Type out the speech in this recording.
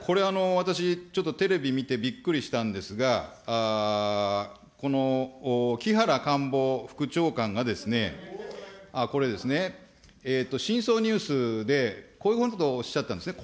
私ちょっとテレビ見てびっくりしたんですが、木原官房副長官がですね、これですね、しんそうニュースでこういうことをおっしゃったんですね。